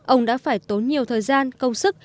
ông đã phải tốn nhiều thời gian công sức